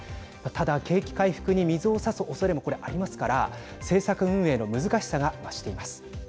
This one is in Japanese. ただ、景気の回復に水をさすおそれも、これ、ありますから政策運営の難しさが増しています。